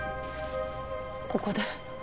ここで？